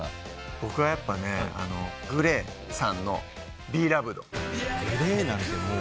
僕はやっぱねＧＬＡＹさんの『ＢＥＬＯＶＥＤ』ＧＬＡＹなんてもう。